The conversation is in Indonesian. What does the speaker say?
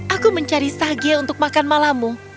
aku mencari sage untuk makan malammu